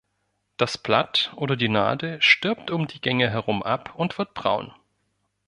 Das Blatt oder die Nadel stirbt um die Gänge herum ab und wird braun.